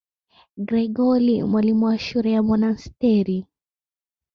Gregori, mwalimu wa shule ya monasteri.